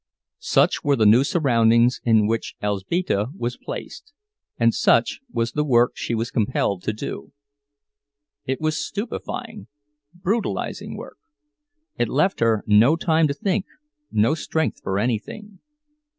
Such were the new surroundings in which Elzbieta was placed, and such was the work she was compelled to do. It was stupefying, brutalizing work; it left her no time to think, no strength for anything.